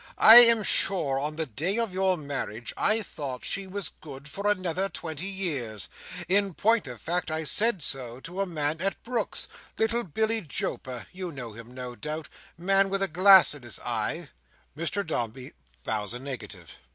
I am sure, on the day of your marriage, I thought she was good for another twenty years. In point of fact, I said so to a man at Brooks's—little Billy Joper—you know him, no doubt—man with a glass in his eye?" Mr Dombey bows a negative.